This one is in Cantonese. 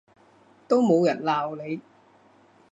都冇人鬧你